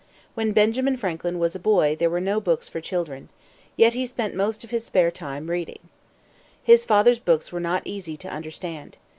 When Benjamin Franklin was a boy there were no books for children. Yet he spent most of his spare time in reading. His father's books were not easy to understand.